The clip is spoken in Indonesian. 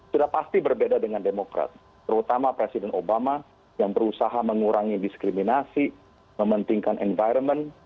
sudah pasti berbeda dengan demokrat terutama presiden obama yang berusaha mengurangi diskriminasi mementingkan environment